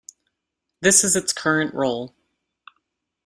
This is its current role.